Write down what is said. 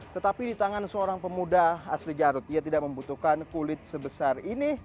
tetapi di tangan seorang pemuda asli garut ia tidak membutuhkan kulit sebesar ini